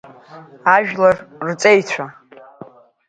Ажәлар рҵеицәа!